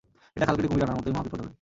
এটা খাল কেটে কুমির আনার মতই মহাবিপদ হবে।